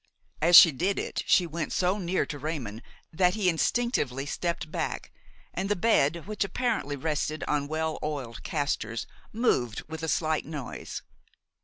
As she did it, she went so near to Raymon, that he instinctively stepped back, and the bed, which apparently rested on well oiled castors, moved with a slight noise.